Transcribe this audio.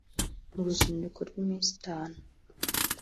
mu ruzinduko rw’iminsi itanu